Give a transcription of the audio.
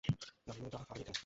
নান্দুদা, আমি এখানে!